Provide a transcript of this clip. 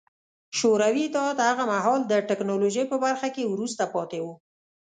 شوروي اتحاد هغه مهال د ټکنالوژۍ په برخه کې وروسته پاتې و